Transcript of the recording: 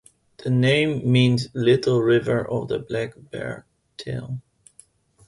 The name means "little river of the black bear tail".